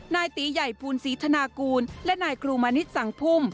นายตีใหญ่ภูลศรีธนากูลและนายกรูมณิษฐ์สังพุ่ม